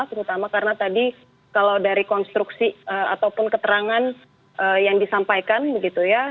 terutama karena tadi kalau dari konstruksi ataupun keterangan yang disampaikan begitu ya